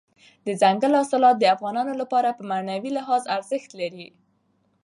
دځنګل حاصلات د افغانانو لپاره په معنوي لحاظ ارزښت لري.